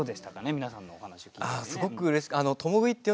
皆さんのお話を聞いてみてね。